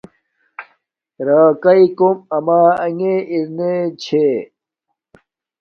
راکاݵ کوم اما انݣ ارنے چھے